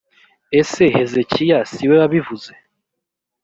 ese hezekiya si we wabivuze